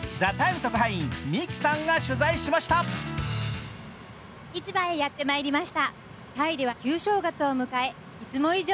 特派員、ミキさんが取材しました。